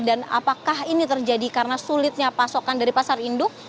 dan apakah ini terjadi karena sulitnya pasokan dari pasar induk